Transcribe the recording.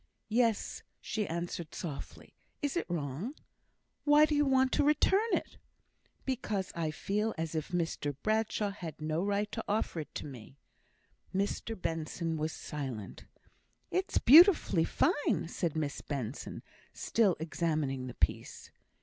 "Yes," she answered, softly. "Is it wrong?" "Why do you want to return it?" "Because I feel as if Mr Bradshaw had no right to offer it me." Mr Benson was silent. "It's beautifully fine," said Miss Benson, still examining the piece.